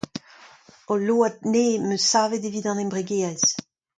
Ul load nevez 'm eus savet evit an embregerezh.